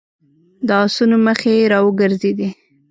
د آسونو مخې را وګرځېدې.